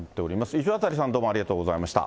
石渡さん、どうもありがとうございました。